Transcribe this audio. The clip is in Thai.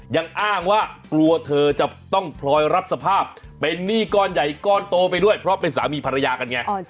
ยังอ้างว่ากลัวเธอจะต้องพลอยรับสภาพเป็นหนี้ก้อนใหญ่ก้อนโตไปด้วยเพราะเป็นสามีภรรยากันไง